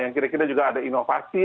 yang kira kira juga ada inovasi